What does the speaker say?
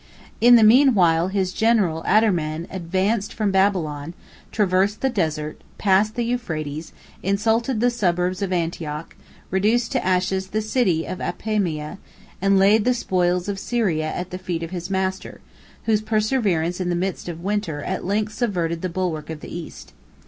In the mean while his general Adarman advanced from Babylon, traversed the desert, passed the Euphrates, insulted the suburbs of Antioch, reduced to ashes the city of Apamea, and laid the spoils of Syria at the feet of his master, whose perseverance in the midst of winter at length subverted the bulwark of the East.